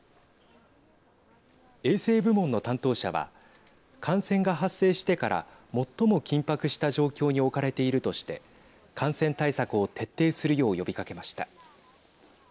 衛生部門の担当者は感染が発生してから最も緊迫した状況に置かれているとして感染対策を徹底するよう呼びかけました。